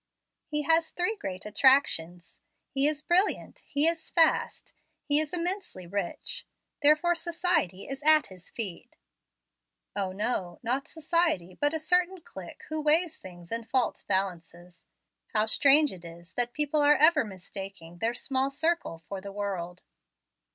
He has three great attractions: he is brilliant; he is fast; he is immensely rich, therefore society is at his feet." "O, no; not society, but a certain clique who weigh things in false balances," said Hemstead, quickly. "How strange it is that people are ever mistaking their small circle for the world!"